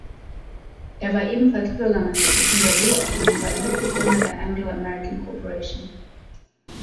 Er war ebenfalls Bürgermeister von Kimberley, außerdem war er Mitbegründer der "Anglo American Corporation".